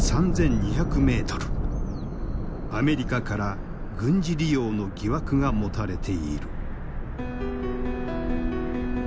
アメリカから軍事利用の疑惑が持たれている。